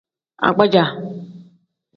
Agbaja.